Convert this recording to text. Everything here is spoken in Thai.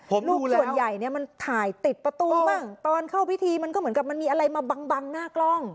ลูกส่วนใหญ่เนี่ยมันถ่ายติดประตูบ้างตอนเข้าพิธีมันก็เหมือนกับมันมีอะไรมาบังบังหน้ากล้อง